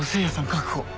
確保。